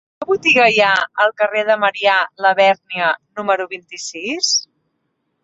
Quina botiga hi ha al carrer de Marià Labèrnia número vint-i-sis?